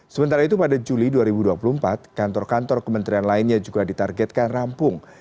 sementara itu pada juli dua ribu dua puluh empat kantor kantor kementerian lainnya juga ditargetkan rampung